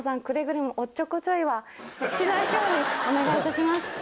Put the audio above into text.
お願いいたします。